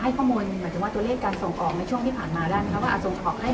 หมายถึงว่าตัวเลขการส่งออกในช่วงที่ผ่านมาด้านนี้ครับ